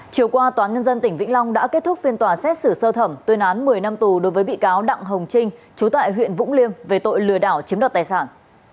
chiều qua tòa nhân dân tỉnh vĩnh long đã kết thúc phiên tòa xét xử sơ thẩm tuyên án một mươi năm tù đối với bị cáo đặng hồng trinh chú tại huyện vũng liêm về tội lừa đảo chiếm đoạt tài sản